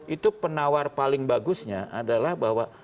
itu penawar paling bagusnya adalah bahwa